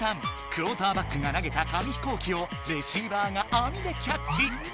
クオーターバックが投げた紙飛行機をレシーバーがあみでキャッチ。